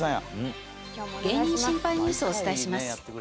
「芸人シンパイニュース」をお伝えします。